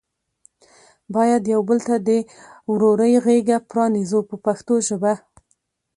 باید یو بل ته د ورورۍ غېږه پرانیزو په پښتو ژبه.